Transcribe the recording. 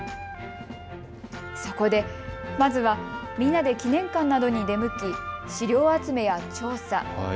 そこで、まずはみんなで記念館などに出向き資料集めや調査。